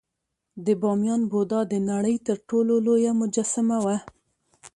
د بامیان بودا د نړۍ تر ټولو لویه مجسمه وه